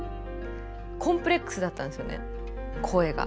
コンプレックスだったんですよね声が。